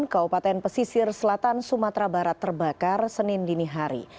kaupaten pesisir selatan sumatera barat terbakar senin dinihari